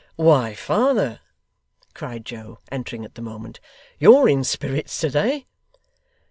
'Why, father!' cried Joe, entering at the moment, 'you're in spirits to day!